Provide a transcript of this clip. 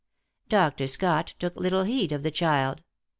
Dr. Scott took little heed of the child.